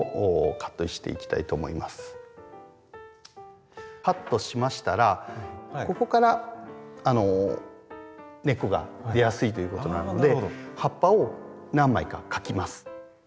カットしましたらここから根っこが出やすいということなので葉っぱを何枚かかきます。